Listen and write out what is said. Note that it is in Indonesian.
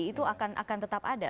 itu akan tetap ada